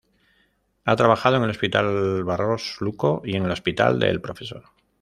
Ha trabajado en el Hospital Barros Luco y en el Hospital del Profesor.